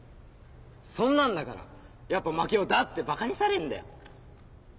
そんなんだから「やっぱ槙尾だ」ってばかにされんだよ。